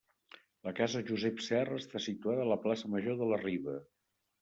La casa Josep Serra està situada a la plaça Major de la Riba.